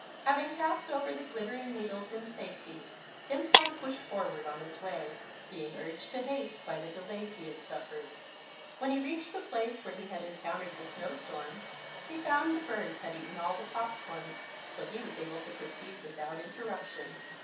Having passed over the glittering needles in safety Timtom pushed forward on his way, being urged to haste by the delays he had suffered. When he reached the place where he had encountered the snow storm, he found the birds had eaten all the pop corn, so he was able to proceed without interruption.